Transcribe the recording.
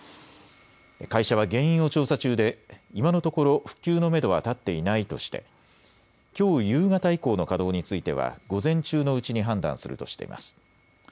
会社は原因を調査中で今のところ復旧のめどは立っていないとしてきょう夕方以降の稼働については午前中のうちに判断するとしています。